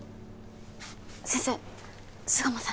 先生巣鴨さん